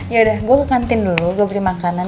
yaudah gua ke kantin dulu gua beli makanan